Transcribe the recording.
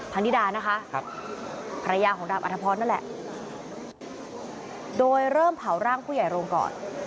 นิดานะคะภรรยาของดาบอัธพรนั่นแหละโดยเริ่มเผาร่างผู้ใหญ่โรงก่อน